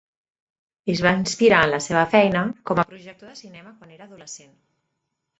Es va inspirar en la seva feina com a projector de cinema quan era adolescent.